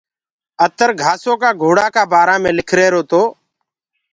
اتر گھآسو ڪآ گھوڙآ ڪآ بآرآ مي لکرهيرو تو۔